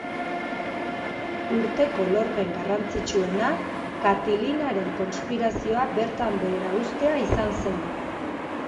Urteko lorpen garrantzitsuena Katilinaren konspirazioa bertan behera uztea izan zen.